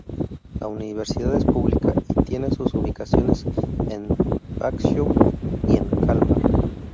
La universidad es pública, y tiene sus ubicaciones en Växjö y en Kalmar.